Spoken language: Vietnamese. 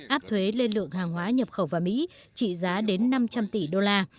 áp thuế lên lượng hàng hóa nhập khẩu vào mỹ trị giá đến năm trăm linh tỷ đô la